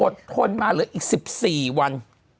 ทนมาเหลืออีก๑๔วัน